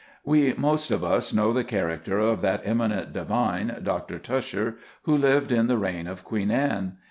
We most of us know the character of that eminent divine Dr. Tusher, who lived in the reign of Queen Anne.